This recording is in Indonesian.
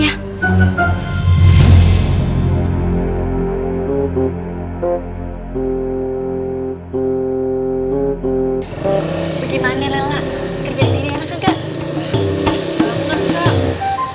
bagaimana laila kerjaan sini enak enggak